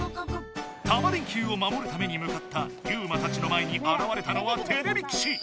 タマ電Ｑをまもるためにむかったユウマたちの前にあらわれたのはてれび騎士。